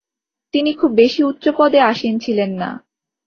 তিনি খুব বেশি উচ্চ পদে আসীন ছিলেন না।